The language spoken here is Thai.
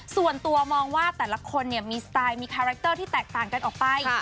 ส่วนตัวมองแต่ละคนเนี้ยมีคาร์แรคเตอร์แตกต่างกันออกไป